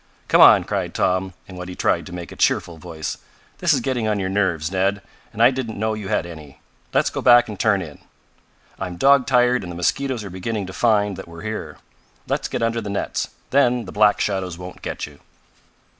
"Come on!" cried Tom, in what he tried to make a cheerful voice. "This is getting on your nerves, Ned, and I didn't know you had any. Let's go back and turn in. I'm dog tired and the mosquitoes are beginning to find that we're here. Let's get under the nets. Then the black shadows won't get you."